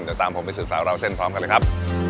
เดี๋ยวตามผมไปสืบสาวราวเส้นพร้อมกันเลยครับ